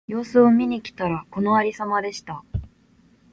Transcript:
様子を見に来たら、このありさまでした。